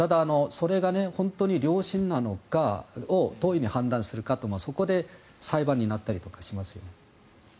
それが本当に良心なのかをどう判断するのかというのがそこで裁判になったりとかしますよ。